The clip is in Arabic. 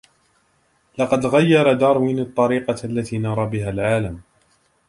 لقد غيرَ داروين الطريقة التي نري بها العالم.